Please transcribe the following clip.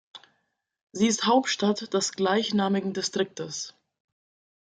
Sie ist Hauptstadt des gleichnamigen Distriktes.